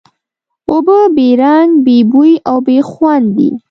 اوبه بې رنګ، بې بوی او بې خوند دي.